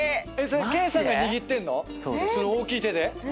謙さんが握ってんの⁉それ大きい手で。